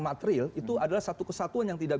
material itu adalah satu kesatuan yang tidak